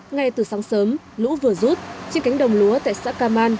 ngay từ sáng sớm lũ vừa rút trên cánh đồng lúa tại xã cam man